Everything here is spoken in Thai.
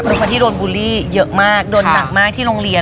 คนที่โดนบูลลี่เยอะมากโดนหนักมากที่โรงเรียน